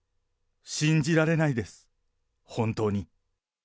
信じられないです、本当に。